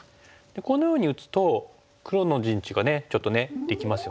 このように打つと黒の陣地がねちょっとできますよね。